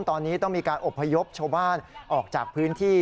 ตอนนี้ต้องมีการอบพยพชาวบ้านออกจากพื้นที่